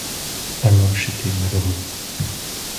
Hamoche etait malheureux.